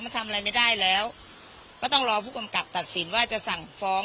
มันทำอะไรไม่ได้แล้วก็ต้องรอผู้กำกับตัดสินว่าจะสั่งฟ้อง